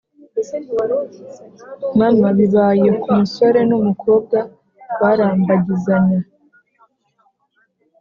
mama bibaye ku musore n’umukobwa barambagizanya